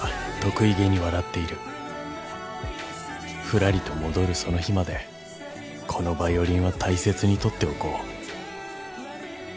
ふらりと戻るその日までこのバイオリンは大切に取っておこう。